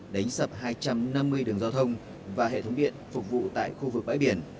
đánh sập hai trăm năm mươi đường giao thông và hệ thống điện phục vụ tại khu vực bãi biển